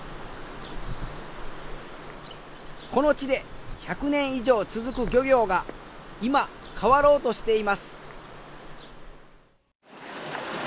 この地で１００年以上続く漁業が今変わろうとしています。